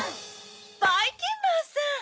ばいきんまんさん！